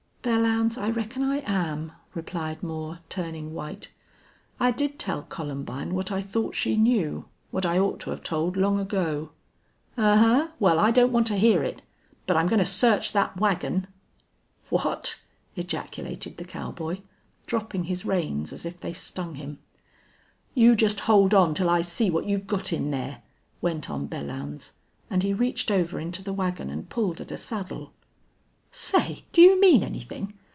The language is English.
"Belllounds, I reckon I am," replied Moore, turning white. "I did tell Columbine what I thought she knew what I ought to have told long ago." "Ahuh! Well, I don't want to hear it. But I'm going to search that wagon." "What!" ejaculated the cowboy, dropping his reins as if they stung him. "You just hold on till I see what you've got in there," went on Belllounds, and he reached over into the wagon and pulled at a saddle. "Say, do you mean anything?...